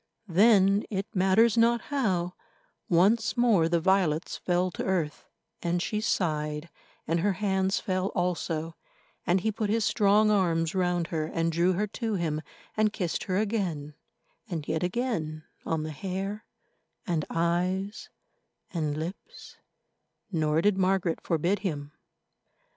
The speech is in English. Then, it matters not how, once more the violets fell to earth, and she sighed, and her hands fell also, and he put his strong arms round her and drew her to him and kissed her again and yet again on the hair and eyes and lips; nor did Margaret forbid him.